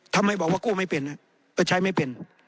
ทำไมบอกว่ากู้ไม่เป็นใช้ไม่เป็น